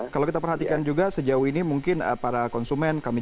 kalau kita perhatikan juga sejauh ini mungkin para konsumen